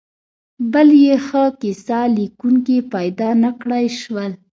بل یې ښه کیسه لیکونکي پیدا نکړای شول.